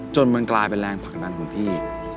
จนมันกลายลังเปลี่ยนตรคัทย์นั้นสิ